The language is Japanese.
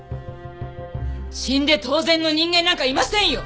死んで当然の人間なんかいませんよ！